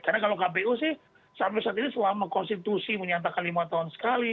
karena kalau kpu sih sampai saat ini selama konstitusi menyatakan lima tahun sekali